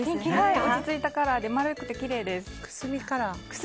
落ち着いたカラーで丸くてきれいです。